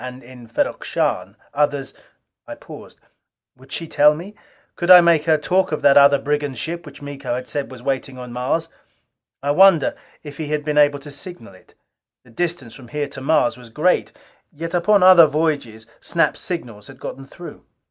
And in Ferrok Shahn, others " I paused. Would she tell me? Could I make her talk of that other brigand ship which Miko had said was waiting on Mars? I wondered if he had been able to signal it. The distance from here to Mars was great; yet upon other voyages Snap's signals had gotten through.